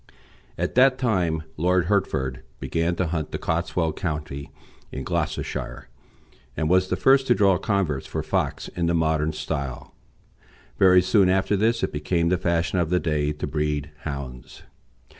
At that time Lord Hertford began to hunt the Cotswold country, in Gloucestershire, and was the first to draw coverts for fox in the modern style. Very soon after this it became the fashion of the day to breed hounds.